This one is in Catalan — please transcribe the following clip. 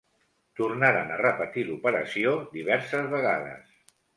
Tornaren a repetir l'operació diverses vegades.